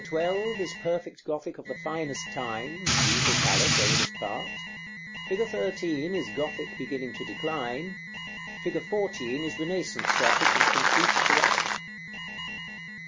12 is perfect Gothic of the finest time (Ducal Palace, oldest part), fig. 13 is Gothic beginning to decline, fig. 14 is Renaissance Gothic in complete corruption.